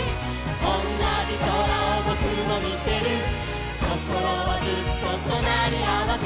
「おんなじ空をぼくもみてる」「こころはずっととなりあわせ」